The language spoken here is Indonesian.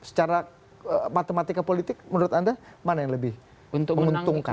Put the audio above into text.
secara matematika politik menurut anda mana yang lebih menguntungkan